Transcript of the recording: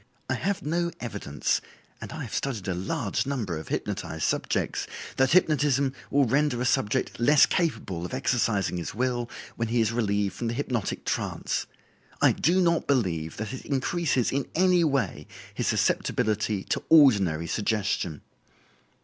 I have no evidence (and I have studied a large number of hypnotized subjects) that hypnotism will render a subject less capable of exercising his will when he is relieved from the hypnotic trance. I do not believe that it increases in any way his susceptibility to ordinary suggestion."